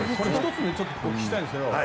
１つ聞きたいんですけど